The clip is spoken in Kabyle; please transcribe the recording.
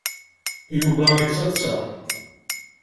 Yuba yettaḍsa.